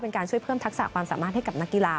เป็นการช่วยเพิ่มทักษะความสามารถให้กับนักกีฬา